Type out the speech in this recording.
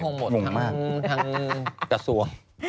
ก็คงหมดหังหังจัดส่วน